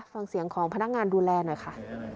ฟังเสียงของพนักงานดูแลหน่อยค่ะ